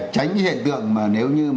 tránh cái hiện tượng mà nếu như